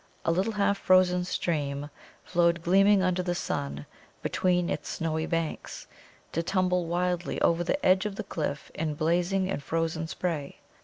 A little half frozen stream flowed gleaming under the sun between its snowy banks, to tumble wildly over the edge of the cliff in blazing and frozen spray.